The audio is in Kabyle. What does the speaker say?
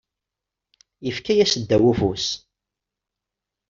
Yefka -yas ddaw ufus.